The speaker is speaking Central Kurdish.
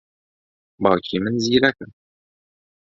باوکی من زیرەکە.